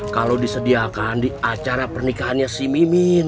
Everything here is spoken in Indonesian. kalau disediakan di acara pernikahannya si mimin